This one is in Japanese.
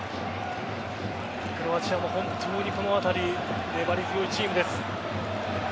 クロアチアも本当にこのあたり粘り強いチームです。